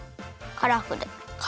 カラフル？